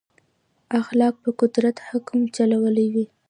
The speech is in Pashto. اخلاق پر قدرت حکم چلولی وي.